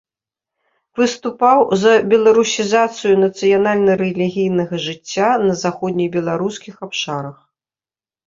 Выступаў за беларусізацыю нацыянальна-рэлігійнага жыцця на заходнебеларускіх абшарах.